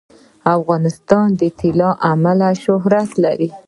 افغانستان د طلا له امله شهرت لري.